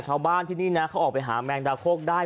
ชาวบ้านที่นี่นะเขาออกไปหาแมงดาโคกได้